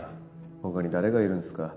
ほかに誰がいるんすか？